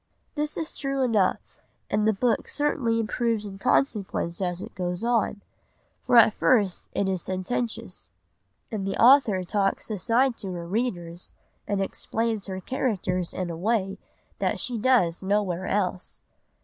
This is true enough, and the book certainly improves in consequence as it goes on, for at first it is sententious, and the author talks aside to her readers and explains her characters in a way that she does nowhere else.